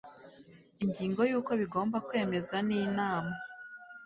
ingingo y uko bigomba kwemezwa n Inama